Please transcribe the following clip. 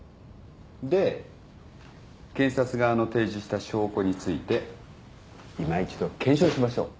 で検察側の提示した証拠についていま一度検証しましょう。